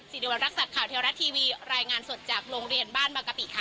สิริวัติข่าวเทวรัฐทีวีรายงานสดจากโรงเรียนบ้านบางกะปิค่ะ